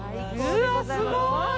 うわすごい！